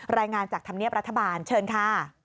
รายงานจากธรรมเนียบรัฐบาลเชิญค่ะ